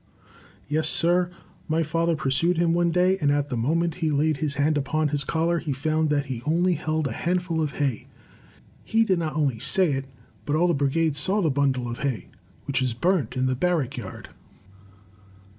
"Yes, sir; my father pursued him one day, and at the moment he laid his hand upon his collar, he found that he only held a handful of hay. He did not only say it, but all the brigade saw the bundle of hay, which was burnt in the barrackyard.